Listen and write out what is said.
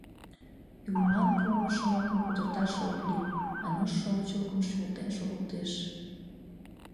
Юмылан пуымо шомакым пудырташ ок лий, — Ануш шовыч лукым шӱвылтен шогылтеш.